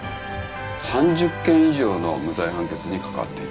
３０件以上の無罪判決に関わっている。